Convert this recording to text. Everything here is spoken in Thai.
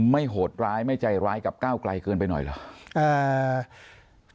โหดร้ายไม่ใจร้ายกับก้าวไกลเกินไปหน่อยเหรอ